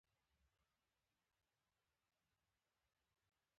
د غوښې خواړه د انرژی ښه سرچینه ده.